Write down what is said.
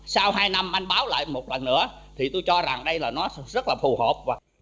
sau hai năm anh báo lại một lần nữa thì tôi cho rằng đây là nó rất là phù hợp